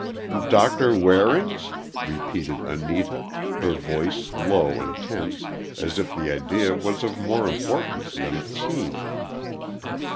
"Doctor Waring's?" repeated Anita, her voice low and tense, as if the idea was of more importance than it seemed.